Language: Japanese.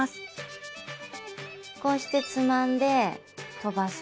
こうしてつまんで飛ばす。